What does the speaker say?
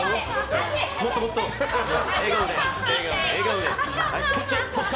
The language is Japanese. もっともっと、笑顔で。